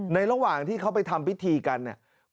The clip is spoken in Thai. ระหว่างที่เขาไปทำพิธีกันเนี่ย